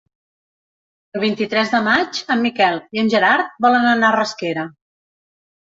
El vint-i-tres de maig en Miquel i en Gerard volen anar a Rasquera.